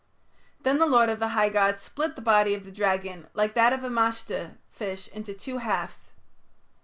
Then the lord of the high gods split the body of the dragon like that of a mashde fish into two halves.